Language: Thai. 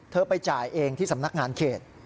ไปจ่ายเองที่สำนักงานเขต